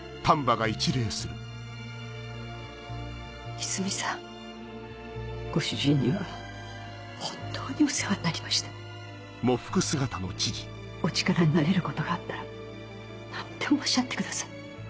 和泉さんご主人には本当にお世話になりましたお力になれることがあったら何でもおっしゃってください